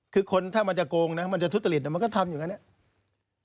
คือคนถ้ามันจะโกงนะมันจะทุจริตมันก็ทำอย่างนั้นเนี่ย